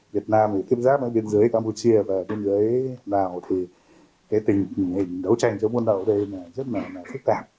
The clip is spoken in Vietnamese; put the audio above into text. việt nam thì tiếp giáp đến biên giới campuchia và biên giới lào thì tình hình đấu tranh chống buôn lậu đây rất là phức tạp